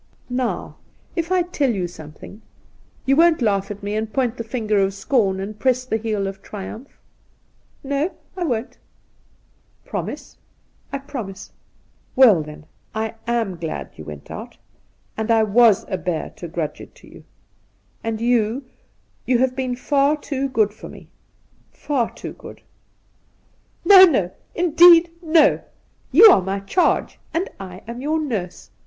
' Now, if I tell you something, you won't laugh at me and point the finger of scorn and press the heel of triumph ?'' No, I won't.' ' Promise.' ' I promise.' ' Well, then, I am glad that you went out, and I was a bear to grudge it to you. And you — you have been far too good to me — far too good,' ' No, no — indeed no ! You are my charge, and I am your nurse.